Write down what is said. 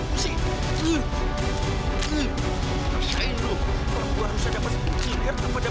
uh aku ke jo certain